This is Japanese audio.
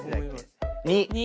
２。